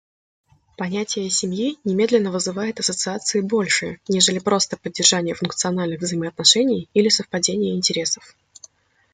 Понятие «семьи» немедленно вызывает ассоциации большие, нежели просто поддержание функциональных взаимоотношений или совпадение интересов.